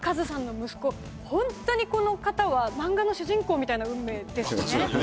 ホントにこの方は漫画の主人公みたいな運命ですよね。